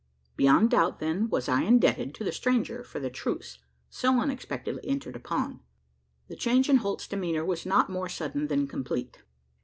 Beyond doubt, then, was I indebted to the stranger for the truce so unexpectedly entered upon. The change in Holt's demeanour was not more sudden than complete.